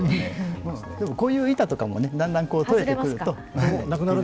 こういう板とかもだんだ取れてくると。